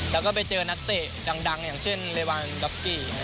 แล้วก็ไปเจอนักเตะดังอย่างเช่นเรวานด็อกกี้